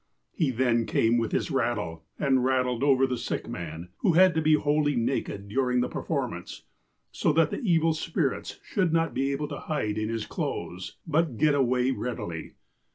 He then came with his rattle, and rattled over the sick man, who had to be wholly naked during the perform ance, so that the evil spirits should not be able to hide in his clothes, but get away readily.